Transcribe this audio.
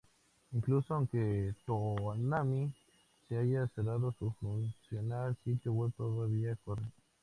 Incluso aunque Toonami se haya cerrado, su funcional sitio web todavía corre.